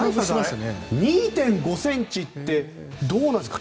２．５ｃｍってどうなんですか？